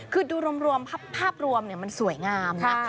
คือดูรวมภาพรวมมันสวยงามนะ